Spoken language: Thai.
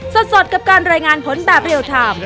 สดกับการรายงานผลแบบเรียลไทม์